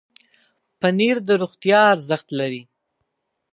پنېر د روغتیا ارزښت لري.